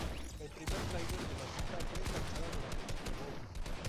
El primer tráiler de la cinta fue lanzado durante el Súper Bowl.